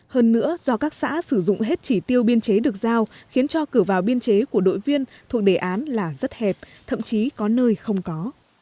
hơn nữa do các xã sử dụng hết chỉ tiêu biên chế được giao khiến cho cử vào biên chế của đội viên thuộc đề án là rất hẹp thậm chí có nơi không có